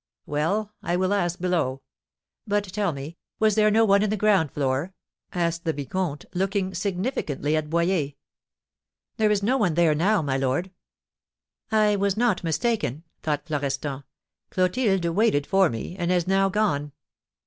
"Well, I will ask below. But tell me, was there no one in the ground floor?" asked the vicomte, looking significantly at Boyer. "There is no one there now, my lord." "I was not mistaken," thought Florestan; "Clotilde waited for me, and is now gone."